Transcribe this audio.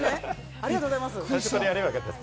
ありがとうございます。